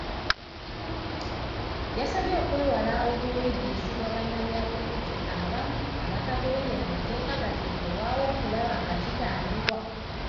Yabasabye okwewala okuwuudisibwa bannabyabufuzi abamu abatagoberera mateeka gateekebwawo okulaba nga kitangirwa.